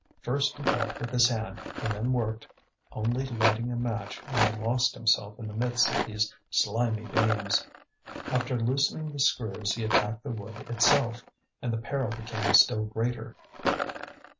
First he felt with his hand and then worked, only lighting a match when he lost himself in the midst of these slimy beams. After loosening the screws he attacked the wood itself, and the peril became still greater.